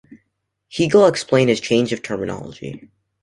Hegel explained his change of terminology.